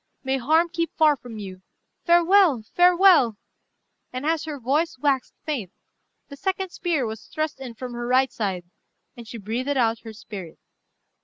May harm keep far from you. Farewell! farewell!" and as her voice waxed faint, the second spear was thrust in from her right side, and she breathed out her spirit.